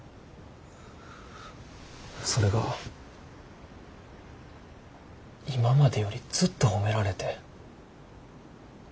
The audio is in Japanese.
それが今までよりずっと褒められて。